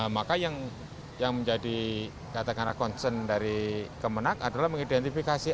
maka yang menjadi katakan konsen dari kemenang adalah mengidentifikasi